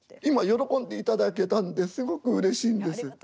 今喜んでいただけたんですごくうれしいんです。